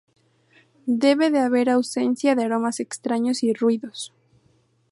Debe haber ausencia de aromas extraños y ruidos.